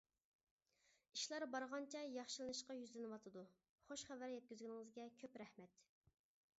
ئىشلار بارغانچە ياخشىلىنىشقا يۈزلىنىۋاتىدۇ. خوش خەۋەر يەتكۈزگىنىڭىزگە كۆپ رەھمەت.